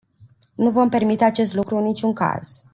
Nu vom permite acest lucru în niciun caz.